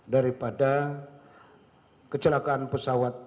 daripada kecelakaan pesawat